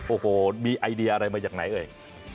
โอ้โหมีไอเดียอะไรมาจากไหนเอ่ย